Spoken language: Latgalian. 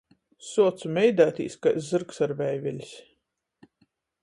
Suocu meideitīs kai zyrgs ar veivelis.